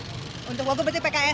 untuk wagub berarti pks ya